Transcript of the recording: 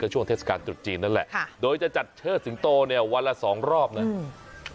ช่วงเทศกาลตรุษจีนนั่นแหละค่ะโดยจะจัดเชิดสิงโตเนี่ยวันละสองรอบนะอืม